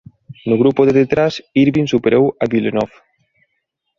No grupo de detrás Irvine superou a Villeneuve.